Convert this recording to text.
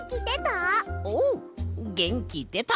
おうげんきでた！